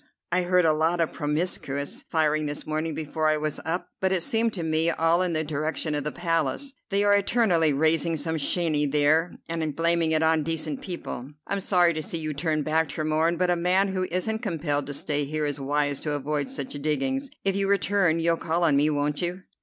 I heard a lot of promiscuous firing this morning before I was up, but it seemed to me all in the direction of the Palace. They are eternally raising some shindy here, and blaming it on decent people. I'm sorry to see you turn back, Tremorne, but a man who isn't compelled to stay here is wise to avoid such diggings. If you return you'll call on me, won't you?"